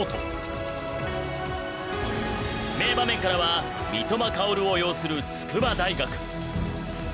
名場面からは三笘薫を擁する筑波大学。